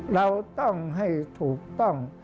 เราต้องให้ถูกต้อง